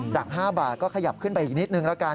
จาก๕บาทก็ขยับขึ้นไปอีกนิดนึงแล้วกัน